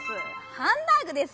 「ハンバーグ」です！